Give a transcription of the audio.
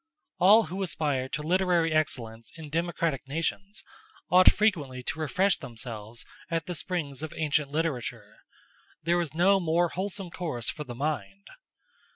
All who aspire to literary excellence in democratic nations, ought frequently to refresh themselves at the springs of ancient literature: there is no more wholesome course for the mind.